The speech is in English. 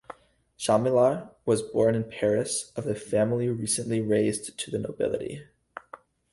Chamillart was born in Paris of a family recently raised to the nobility.